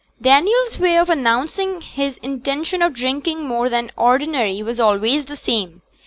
Daniel's way of announcing his intention of drinking more than ordinary was always the same.